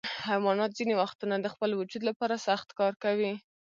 حیوانات ځینې وختونه د خپل وجود لپاره سخت کار کوي.